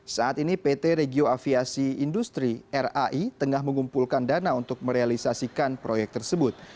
saat ini pt regio aviasi industri rai tengah mengumpulkan dana untuk merealisasikan proyek tersebut